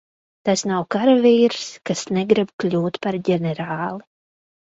Tas nav karavīrs, kas negrib kļūt par ģenerāli.